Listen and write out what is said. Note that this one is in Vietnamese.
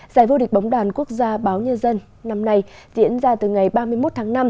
giải vô địch bóng đàn quốc gia báo nhân dân năm nay diễn ra từ ngày ba mươi một tháng năm